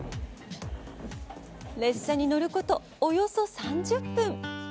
列車に乗ること、およそ３０分。